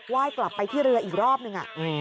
ว่ายกลับไปที่เรืออีกรอบนึง